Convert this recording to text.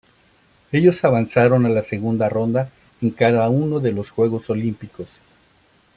Ellos avanzaron a la segunda ronda en cada uno de los Juegos Olímpicos.